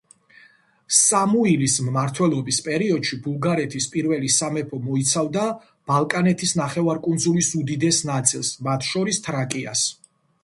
სამუილის მმართველობის პერიოდში ბულგარეთის პირველი სამეფო მოიცავდა ბალკანეთის ნახევარკუნძულის უდიდეს ნაწილს, მათ შორის თრაკიას.